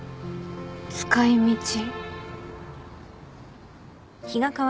使い道。